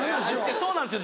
そうなんですよ